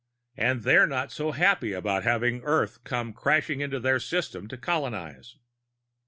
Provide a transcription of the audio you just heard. And they're not so happy about having Earth come crashing into their system to colonize!"